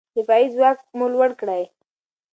دفاعي ځواک مو لوړ کړئ.